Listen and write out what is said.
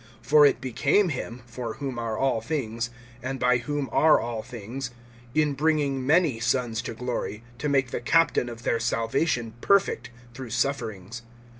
(10)For it became him, for whom are all things, and by whom are all things, in bringing many sons to glory, to make the captain of their salvation perfect through sufferings.